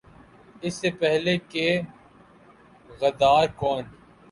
اس سے پہلے کہ "غدار کون؟